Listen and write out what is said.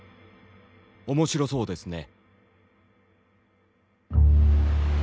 「面白そうですね」。